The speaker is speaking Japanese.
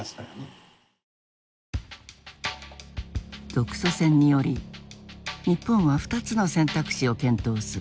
独ソ戦により日本は２つの選択肢を検討する。